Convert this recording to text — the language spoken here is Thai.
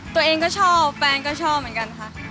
ตัวเองก็ชอบแฟนก็ชอบเหมือนกันค่ะ